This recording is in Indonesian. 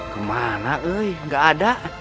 kemana gak ada